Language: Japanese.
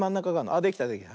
あっできたできた。